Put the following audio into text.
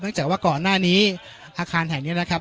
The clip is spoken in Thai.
จากว่าก่อนหน้านี้อาคารแห่งนี้นะครับ